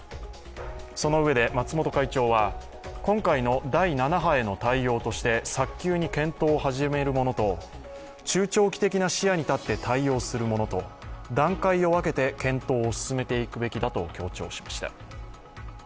そのうえで松本会長は今回の第７波への対応として早急に検討を始めるものと中長期的な視野に立って対応するものと、段階を分けて検討を進めていくべきだと強調しました。